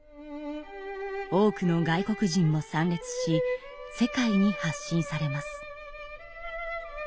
多くの外国人も参列し世界に発信されます。